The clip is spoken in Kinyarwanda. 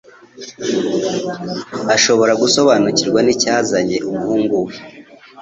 ashobora gusobanukirwa n'icyazanye umuhungu we.